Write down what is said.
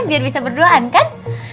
biar bisa berduaan kan